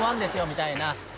みたいな。